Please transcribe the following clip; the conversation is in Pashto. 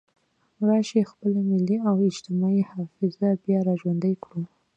راشئ خپله ملي او اجتماعي حافظه بیا را ژوندۍ کړو.